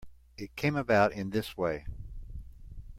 It came about in this way.